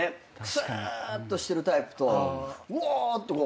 すっとしてるタイプとうぉっとこう。